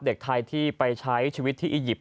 เด็กไทยที่ไปใช้ชีวิตที่อียิปต